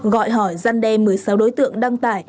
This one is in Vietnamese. gọi hỏi gian đe một mươi sáu đối tượng đăng tải